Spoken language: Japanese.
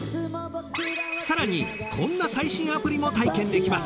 更にこんな最新アプリも体験できます。